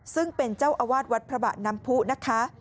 ซึ่งเป็นเจ้าอวาดวัดพระบะนำพุนะคะ